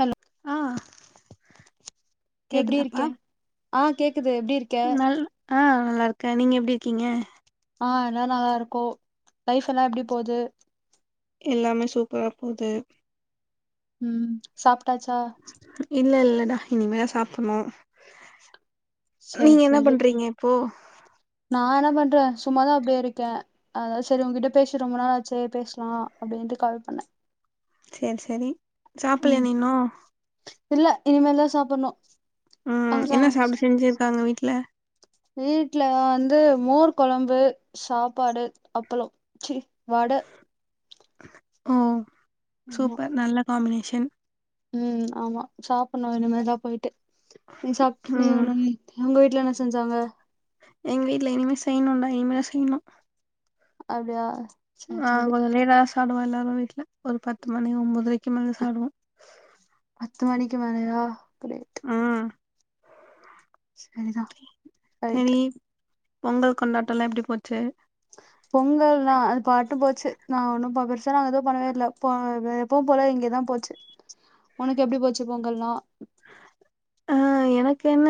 Hello ஆ எப்டி இருக்கே ஆ கேக் நல்ல ஆ நல்லா இருக்க நீங்க எப்டி இருக்கீங்க ஆ எல்லா நல்லா இருக்கோ லைஃபெல்லா எப்டி போது எல்லாமே சூப்பரா போது ம் சாப்ட்டாச்சா இல்ல இல்லடா இனிமேதா சாப்புட்ணு சரி நீங்க என்ன சரி பண்றீங்க இப்போ நா என்ன பண்றே சும்மாதா அப்டியே இருக்கே அதாது செரி உங்கிட்ட பேசி ரொம்ப நாளாச்சே பேஸ்லா அப்டின்ட்டு கால் பண்ணே சேரி சேரி சாப்புட்லயா ம் நீ இன்னு இல்ல இனிமேல்தா சாப்புட்ணு ம் என்ன சாப்ட செஞ்சிருக்காங்க வீட்ல வீட்ல வந்து மோர் கொழம்பு சாப்பாடு அப்பளம் சி வட ஓ ஆமா சூப்பர் நல்ல காமினேஷன் ம் ஆமா சாப்புட்ணு இனிமேதா போயிட்டு நீ சாப்ட் நீ ம் [unintelligible] உங்க வீட் ல என்ன செஞ்சாங்க எங்க வீட்ல இனிமே செய்யணுன்டா இனிமேதா செய்யணு அப்டியா சரி ஆ சரி முதலயே நாச் சாப்டுவோ எல்லாரு வீட்ல ஒரு பத்து மணி ஒன்போதுரைக்கு மேல சாப்டுவோ பத்து மணிக்கு மேலயா கிரேட் ம் சரிதா சரி ரைட்டு பொங்கல் கொண்டாட்டல்லா எப்டி போச்சு பொங்கல்னா அது பாட்டு போச்சு நா ஒன்னு பெருசா நாங்க ஏதுவு பண்ணவே இல்ல எப்பவு ப எப்பவு போல இங்கதா போச்சு உனக்கு எப்டி போச்சு பொங்கல்லா அ ஆ எனக்கு என்ன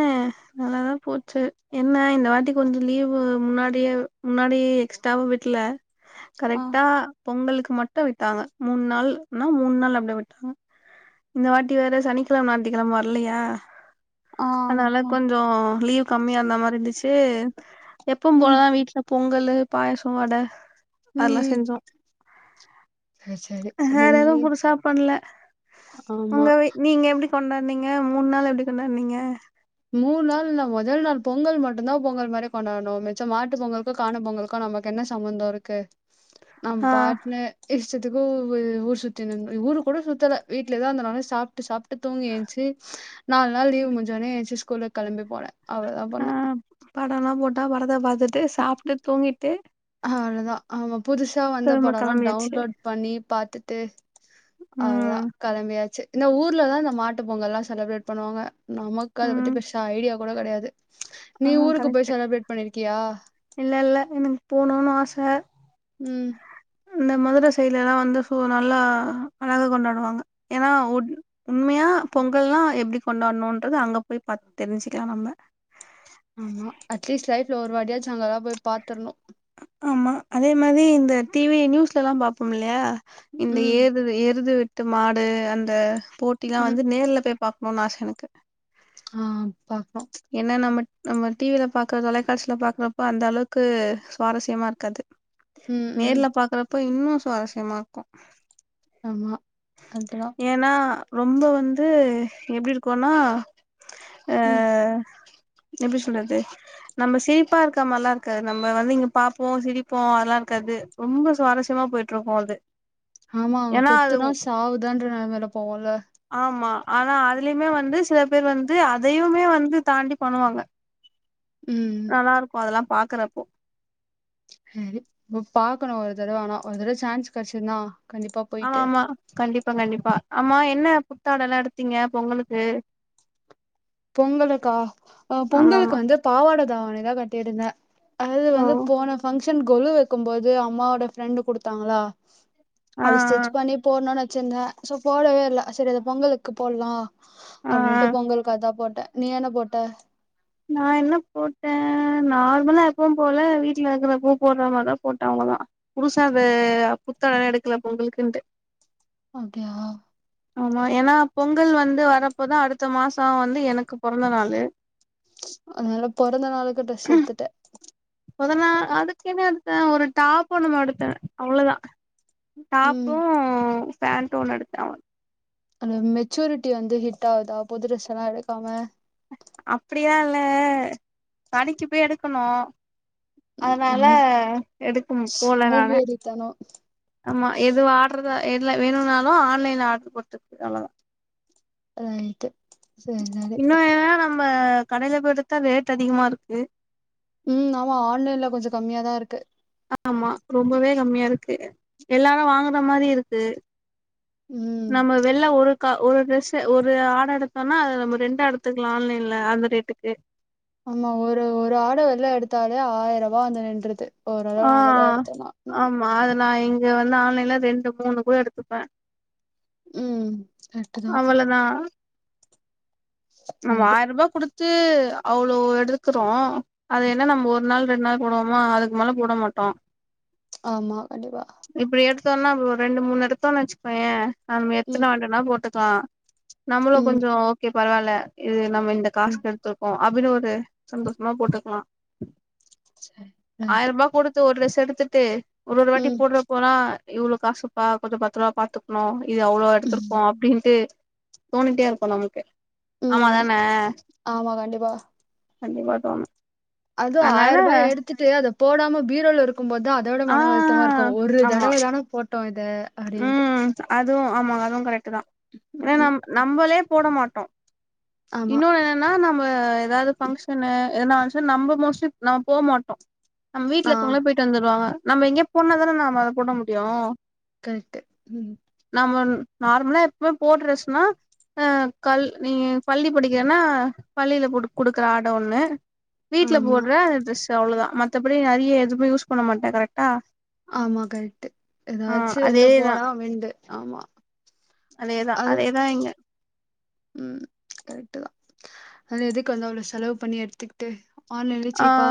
நல்லாதா போச்சு என்ன இந்த வாட்டி கொஞ்ச லீவ்வு முன்னாடியே முன்னாடி எக்ஸ்டாவ் விட்ல ஆ கரெக்டா பொங்கலுக்கு மட் டு விட்டாங்க மூணு நாள்னா மூணு நாள் அப்டி விட்டாங்க இந்த வாட்டி வேற சனிக்கிழம அதிகமா வர் ல்லயா ஆ அதுனால கொஞ்சோ லீவ் கம்மியா இருந்த மா இருந்துச்சு எப்பவு ம் ம் போலதா வீட்டுல பொங்கலு பாயசொ வட அதெல்லா ம் செஞ்சோ சரி சரி வேற எதுவு செஞ்சு புதுசா பண்ல ஆமா உங்க வீ நீங்க எப்டி கொண்டாட்னிங்க மூணு நாள் எப்டி கொண்டாட்னிங்க மூண நாள் நாங்க முதல் நாள் பொங்கல் மட்டுதா பொங்கல் மாரி கொண்டாட்ணு மிச்ச மாட்டு பொங்கலுக்கு காண பொங்கலுக்கு நமக்கு என்ன சம்பந்தொ இருக்கு நம்ம ஆ பாட்டுனு இஷ் ஷ்டத்துக்கு ஊ ஊர் சுத்தினுந்தோ ஊரு கூட சுத்தல வீட்லயேதா இருந்தோ நல்லா சாப்ட்டு சாப் டு தூங்கி ஏன்ச்சு நாலு நாள் லீவு முடிஞ்சோனே ஏச்சு ஸ்கூல்லுக்கு கெளம்பி போனே அதுக்குதா போனே படல்லா போட்டா படத்த பாத்துட்டு சாப்ட்டு தூங்கிட்டு அவ்ளோதா ஆமா புதுசா வந்த திரும்ப படொல்லா கெளம்பியாச்சு டவுன்லோட் பண்ணி பாத்துட்டு அவ்ளதா ம் கெளம்பியாச்சு இந்த ஊர்லதா இந்த மாட்டு பொங்கல்லா செலப்ரேட் பண்ணுவாங்க நமக்கு அத ம் பத்தி பெஷா ஐடியா கூட கடையாது ஆ நீ ஊருக்கு கரெக்ட் போய் செலப்ரேட் பண்ணிருக்கியா இல்ல இல்ல எனக்கு போனுனு ஆச ம் இந்த மதுரை சைட்லலா வந்து ஃபு நல்லா அழகா கொண்டாடுவாங்க ஏனா உண் உண்மையா ஆ பொங்கல்லா எப்டி கொண்டாடணுன்றது அங்க போய் பாத் தெரிஞ்சுக்கலா நம்ம ஆமா அட்லீஸ்ட் லைஃப்ல ஒரு வாடியாச்சு அங்கல்லா போய் பாத்துருணு ஆமா அதே மாரி இந்த டிவி நியூஸ்ல எல்லா பாப்போம் இல்லையா இந்த ம் ஏறுது ஏறுது த்து மாடு அந்த போட்டிலா ம் வந்து நேர்ல போய் பாக்கணுனு ஆச எனக்கு ஆ பாக்னு ஏன்னா நம்ம நம்ம டிவில பாக்குற தொலைக்காட்சியில பாக்கறப்ப அந்த அளவுக்கு சுவாரஸ்யமா இருக்காது ம் ம் நேர்ல பாக்குறப்ப இன்னு சுவாரஸ்யமா இருக்கு ஆமா கரெக்ட்டு தா ஏன்னா ரொம்ப வந்து எப்டி இருக்கோனா ஆ ம் எப்டி சொல்றது நம்ம சிரிப்பா இருக்குறமரில்லா இருக்காது நம்ம வந்து இங்க பாப்போ சிரிப்போ அதெல்லா இருக்கா து ரொம்ப சுவாரஸ்யமா போயிட்ருக்கோ அது ஆமா அவங்க ஏன்னா அது குத்துனா சாவுதான்ற நெலமைல போவோல அமா ஆனா அதுலயுமே வந்து சில பேர் வந்து அதையுமே வந்து தாண்டி பண்ணுவாங்க ம் நல்லா இருக்கு அதெல்லா பாக்குறப்போ சரி போய் பாக்கணு ஒரு தடவ ஆனா ஒரு தடவ சான்ஸ் கெடச்சுத்னா ஆமா ஆமா கண்டிப் பா கண்டிப்பா ஆமா என்ன புத்தாட எல்லா எடுத்தீங்க பொங்கலுக்கு பொங்கலுக்கா அ ஆமா பொங்கலுக்கு ஆமா வந்து பாவாட தாவணிதா கட்டிருந்தே அதாது ஓ வந்து போன ஃபங்க்ஷன் கொழு வைக்கும் போது அம்மாவோட ஃப்ரெண்டு் கொடுத்தாங்களா ஆ ஆ அது ஸ்டிச் பண்ணி போட்ணுனு வெச்சிருந்தே சோ போடவே இல்ல செரி அது பொங்கலுக்கு போட்லா ஆ ஆ அப்டின்ட்டு பொங்கல்கதா போட்டே நீ என்ன போட்ட நா என்ன போட்டே நார்மலா எப்பவும் போல வீட்ல இருக்கிறப்போ போட்ற மாரிதா போட்டே அவ் அதா புதுசா இது புத்தாட எடுக்ல பொங்கலுக்குன்ட்டு அப்டியா ஆமா ஏனா பொங்கல் வந்து வரப்போதா அடுத்த மாசோ வந்து எனக்கு பொறந்த நாளு அதனால பொறந்த நாளுக்கு ட்ரெஸ் எடுத்துட்டே பொத நா அதுக்கென்ன எடுத்தே ஒரு டாப் என்னமோ எடுத்தே அவ்ளதா ம் டாப்பூ பேண்டொன்னு எடுத்தே அவ அந்த மெச்சூரிட்டி வந்து ஹிட்டாவுதா புது ட்ரெஸ் எல்லா எடுக்காம அப்டிலா இல்ல கடைக்கு போய் எடுக்கணு ம், அதனால நல்ல எடுக்கும் போல நானு சோம்பேறித்தனோ ஆமா எது ஆர்டரு தா எது வேணுனாலு ஆன்லைன்ல ஆர்டர் போட்றக்கு அவ்ளதா ரைட்டு செரி சரி ம கடைல போயெடுத்தா ரேட் அதிகமாருக்கு ம் ஆமா ஆன்லைன்ல கொஞ்சோ கம்மியாதார்க்கு ஆமா ரொம்பவே கம்மியார்க்கு எல்லாரு வாங்குற மாரி இருக்கு ம் நம்ம வெள்ல ஒரு க ஒரு ட்ரெஸ்ஸு ஒரு ஆட எடுத்தோனா அத நம்ம ரெண்டா எடுத்துக்லா ஆன்லைன்ல அந்த ரேட்டுக்கு ஆமா ஒரு ஒரு ஆட வெள்ல எடுத்தாலே ஆயிரபா வந்து நின்றுது ஓரளவு ஆ நல்லதா எடுத்தோனா ம் ஆமா அது நா இங்கருந்து ஆன்லைன்ல ரெண்டு மூணு கூட எடுத்துப்பே ம் கரெக்ட்டு தா அவ்வளதா ம சரி ஆயிரபா குடுத் து அவ்ளோ எடுக்கிறோ அது என்ன நம்ம ஒர் நாள் ரெண்ட் நாள் போடுவோமா அதுக்கு மேல போட மாட்டோ ஆமா கண்டிப்பா தோனாவ் ரெண்டு மூணு எடுத்தோன் வச்சுக்கோயே நம்ம எத்தினு ம் வன்டோனா போட்டுக்லா நம்மளு கொஞ்சோ ஓகே பரவால்ல இது நம்ம இந்த காசுக்கெடுத்துருக்கோ அப்டின் ஒரு சந்தோஷமா போட்டுக்லா சரி ரைட்டு ஆயிர்பா குடுத்து ஒரு ட்ரஸ் தெடுத்துட்டு ஒரு ஒரு வாட்டி ம் போட்றப்போலா இவ்ளோ காசுப்பா கொஞ்சோ பத்ரமா பாத்துக்குணு இது அவ்ளோ எடுத்திருக்கோ ம் அப்டின்ட்டு தோணிட்டேருக்கூ நம்ளுக்கு ஆமா ம் தானே ஆமா கண்டிப்பா தோணு அதூ அதனால ஆயரபா எடுத்துட்டு அத போடாம பீரோலருக் கும்போதா அதோட ஆ மன வருத்தமாருக்கூ ஒரு ஆமா தடவ தானே போட்டோ இத அப்டின்ட்டு ம் அதுவு ஆமா அதுவு கரெக்டு தா ஏனா ம் நம் நம்மளே போட மாட்டோ ஆமா இன்னொன்னு என்னன்னா நம்ம எதாது ஃபங்க்ஷனு எதனா வந்ச்சின் நம்ம மோஸ்ட்லி நம் போ மாட்டோ நம் ஆ வீட்லக்கவுங்கலா போயிட்டு வந்துடுவாங்க நம்ம எங்க போனாதானே நாம போட முடியூ கரெக்ட்டு ம் நாமன் நார்மலா எப்பமே போ ட்ரஸ்னா ஆ கல் நீ பள்ளி படிக்கிறன்னா பள்ளில போட் குடுக்க ஆட ஒன்னு வீட்ல ஆமா போட்ற ட்ரெஸ்ஸு அவ்ளோதா மத்தபடி நறைய எதுமே யூஸ் பண்ண மாட்டே கரெக்டா ஆமா கரெக்ட்டு ஆ எதாச்சு வெள்ல அதேதா போலாமெண்டு ஆமா அதேதா அது அதேதா இங்க ம் கரெக்ட்டு தா அது எதுக்கு வந்து அவ்ளோ செலவு பண்ணி எட்த்துக்ட்டு ஆன்லைன்ல ஆ சீப்பா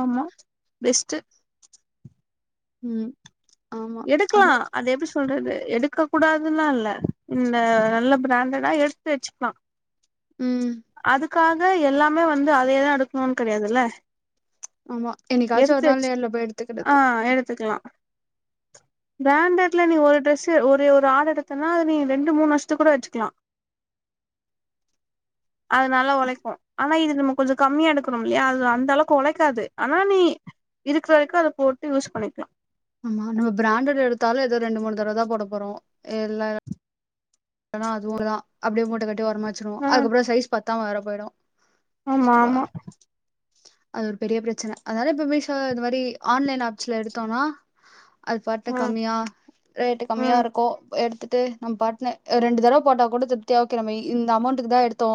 ஆமா பெஸ்ட்டு ம் ஆமா எடுக்குலா அப்றோ அது எப்டி ஸ் சொல்றது எடுக்கக்கூடாதுலா இல்ல இந்த நல்ல ப்ராண்டடா எடுத்து வச்சுக்லா ம் அதுக்காக எல்லாமே வந்து அதையதா எடுக்கணுனு கிடையாதுல்ல ஆமா என்னைக்காச்சு ஒரு எடுத்து நாள் வச்சு நேர்ல போய் ஆ எடுத்துக்கிறது எடுத்துக்கலா பிராண்டட்ல நீ ஒரு டிரெஸ் ஒரு ஒரு ஆர்டர் எடுத்தன்னா அது நீ ரெண்டு மூணு வருஷத்துக்கு கூட வச்சுக்கலா அது நல்லா உழைக்கும் ஆனா இது நம்ம கொஞ்ச கம்மியா எடுக்கரோ இல்லையா அது அந்த அளவுக்கு உழைக்காது ஆனா நீ இருக்குற வரைக்கு அதை போட்டு யூஸ் பண்ணிக்கலா ஆமா நம்ம பிராண்டட் எடுத்தாலு ஏதோ ரெண்டு மூணு தடவதான் போட போறோம் எல்ல அதாம் அதுவும்தான் அப்படியே மூட்ட கட்டி ஓரமாவச்சுருவோ ம் அதுக்கப்புறம் சைஸ் பத்தாம வேற போயிடு ஆமா சபா ஆமா அது ஒரு பெரிய பிரச்சனை அதனால இப்ப மீஷோ இது மாரி ஆன்லைன் ஆப்ஸ்ல எடுத்தோனா அது பாட்டுக்கு ம் கம்மியா ரேட்டு கம்மியாக ம் இருக்கோ எடுத்துட்டு நம்ம பாட்டுனு ரெண்டு தடவை போட்டா கூட திருப்தியா ஓகே நம்ம இந்த அமௌண்ட்டக்கு தான் எடுத்தோ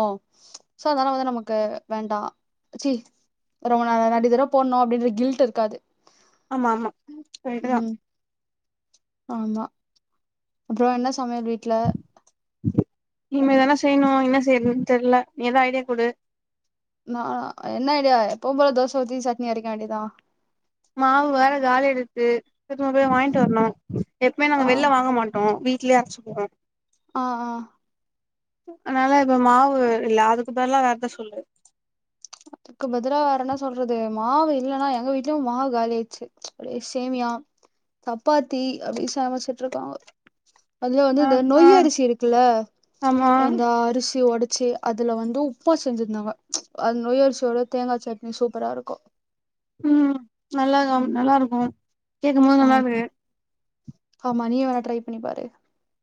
சோ அதனால வந்து நமக்கு வேண் டா ச்சி ரொம்ப நாள ரெண்டுதர போடனும் அப்படின்ற கில்ட் இருக்காது ஆமா ஆமா கரட்டுதா ம் ஆமா அப்புற என்ன சமையல் வீட்ல இனிமேதான செய்யணு என்ன செய்யறதுன்னு தெர்ல நீ எதா ஐடியா கொடு நான் என்ன ஐடியா எப்பவு போல தோசை ஊத்தி சட்னி அரைக்க வேண்டியதா மாவு வேற காலி ஆய்டுத்து பக்கத்துல போய் வாங்கிட்டு வரணு எப்பவுமே நாங்க ஆ வெள்ல வாங்க மாட்டோ வீட்லேயே அரைச்சுப்போ ஆ ஆ அதனால இப்ப மாவு இல்ல அதுக்கு பதிலா வேரெதா சொல்லு அதுக்கு பதிலா வேர என்னா சொல்றது மாவு இல்லன்னா எங்க வீட்லயு மாவு காலிஆய்ச்சு அப்படியே சேமியா சப்பாத்தி அப்டி சமைச்சிட்டு இருக்காங்க அதுல வந்து ஆ இந்த ஆ நொய் அரிசி இருக்குல்ல ஆமா இந்த அரிசி ஒடச் ச்சி அதுல வந்து உப்மா செஞ்சிருந்தாங்க அது நொய்யரிசியோட தேங்காய் சட்னி சூப்பரா இருக்கு நல்லா இருக்கு ம் நல்லா இருக்கு கேக்கு போது நல்லா ஆமா இருக்கு ஆமா நீ வேணா ட்ரை பண்ணி பாரு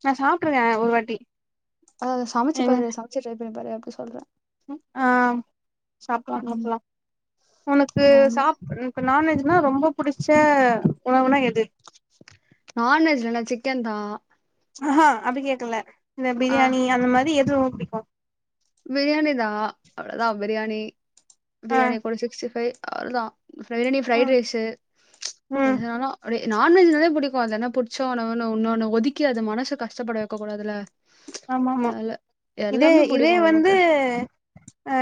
நா சாப்ட்ருக்கே ஒரு வாட்டி அத சமைச்சு எங்க பாரு சமைச்சு ட்ரை பண்ணி பாரு அப்டி சொல்றே ஆ சாப்லா ம் சாப்லா உனக்கு ஆமா சாப் இப்ப நான்வெஜ்னா ரொம்ப புடிச்ச உணவுனா எது நான்வெஜ்ல என்ன சிக்கன் தா அஹஹா அப்டி கேட்கல இந்த ஆ பிரியாணி அந்த மாதிரி எது ரொம்ப புடிக்கு பிரியாணி தா அவ்ளோதா பிரியாணி ஆ பிரியாணி கூட சிக்ஸ்டி ஃபைவ் அவ்ளோதா பிரியாணி ஃபிரைட் ம் ரைஸு ம் எதுனாலு அப்டே நான்வெஜ் நாலே புடிக்கு அது என்ன புடிச்ச உணவுனு ஒன்னோன ஒதுக்கி அது மனச கஷப்பட வைக்க கூடாதுல ஆமா ஆமா அதுல இத இது எல்லாமே இதே புடிக்கு வந்து நமக்கு அ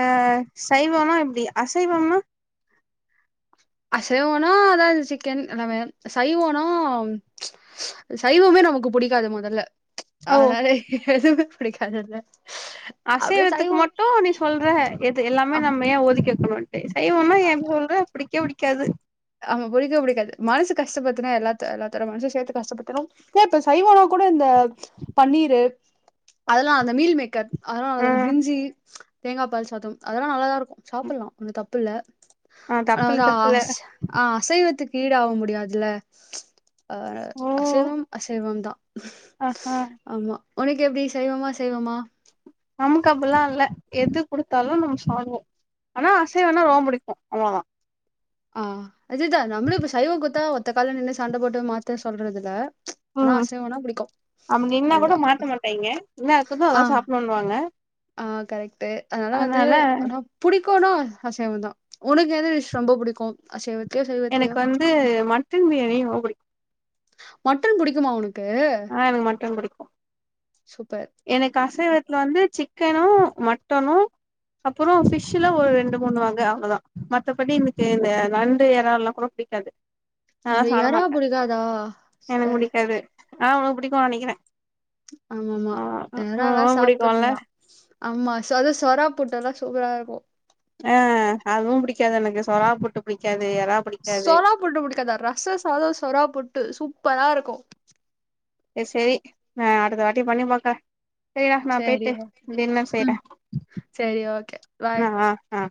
சைவமா எப்டி அசைவம்னா அசைவனா அதான் சிக்கன் எல்லாமே சைவனா சைவமே நமக்கு புடிக்காது முதல்ல ஓ அதனால எதுமே புடிக்காது அதுல்ல அசைவத்துக்கு மட்டு நீ சொல்ற எது ஆ எல்லாமே நம்ம ஏன் ஒதிக்கி வைக்கணு சைவோனா ஏன் சொல்ற புடிக்கே புடிக்காது ஆமா புடிக்கவே புடிக்காது மனசு கஷ்டப்பத்துனா எல்லாத்த எல்லாத்தோட மனசும் சேர்த்து கஷ்டபடுத்தனும் சைவலா கூட ட இந்த பன்னீரு அதெல்லா அந்த மீல் மேக்கர் அதெல்லா ஆ நல்ல அந்த பிரிஞ்சி தேங்கா பால் சாதம் அதெல்லா நல்லாதா இருக்கு சாப்டலா ஒன்னு தப்புல்ல ஆ தப்பில்ல ஆனா தப்பில்ல வந்து அ ஆ அசைவத்துக்கு ஈடாவ முடியாதுல ஓ அசைவம் அசைவம் தான் ஆஹா ஆமா உனக்கு எப்டி சைவமா அசைவமா நமக்கு அப்டல்லா இல்ல எது கொடுத்தாலு நம்ம சாப்டுவோ ஆனா அசைவனா ரொம்ப புடிக்கு அவ்ளதா ஆ அதுதா நம்மளு இப்ப சைவ குத்தா ஒத்த கால்ல நின்னு சண்ட போட்டு மாத்த சொல்றது இல்ல ஆனா ம் அசைவம்னா புடிக்கு. அப்டி நின்னா கூட அதுதா மாட்ட மாட்டாய்ங்க என்ன இருக்குதோ அதா ஆ சாப்டணுன்னுவாங்க ஆ கரெக்ட்டு, அதனால வந்து ஆனா புடி டிக்குனா அசைவந்தா, உனக்கு எந்த டிஸ் ரொம்ப புடிக்கு அசைவத் எனக்கு வந்து, மட்டன் பிரியாணி ரொம்ப புடிக்கு மட்டன் புடிக்குமா உனக்கு? ஆ, எனக்கு மட்டன் புடிக்கு சூப்பர் எனக்கு அசைவத்துல வந்து சிக்கனு, மட்டனு அப்பறோ ஃபிஷ்ல ஒரு ரெண்டு, மூணு வக அவ்ளதா. மத்தபடி எனக்கு இந்த நண்டு, ஏறல்லா கூட புடிக்காது, நான்லா உங்களுக்கு சாப்ட எறா மாட்ட புடிக்காதா ச எனக்கு புடிக்காது ஆனா உனக்கு புடிக்குனு நெனைக்கிறே. ஆமாமா ஆ ஆ எறால்லா உனக்கு புடிக்குல்ல சாப்ட்டுக்கலா. ஆமா அது சொறா புட்டு எல்லா சூப்பரா இருக்கு ஆ, அதுவு புடிக்காது எனக்கு சொறா புட்டு புடிக்காது. எறா புடிக்காது சொறா புட்டு புடிக்காதா? ரச சாதம், சொறா புட்டு சூப்பரா இருக்கு. சேர் சேரி, நா அடுத்த வாட்டி பண்ணி பாக்கறே. செரிடா, நா சரி போயிட்டு டின்னர் செய்றே. ம் சரி ஓகே பாய் ஆ ஆ ஆ